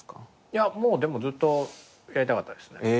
いやもうでもずっとやりたかったですね。